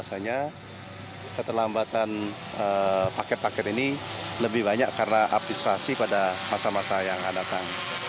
biasanya keterlambatan paket paket ini lebih banyak karena administrasi pada masa masa yang akan datang